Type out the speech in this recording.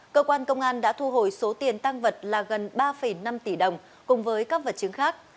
cơ quan công an đã thu hồi số tiền tăng vật là gần ba năm tỷ đồng cùng với các vật chứng khác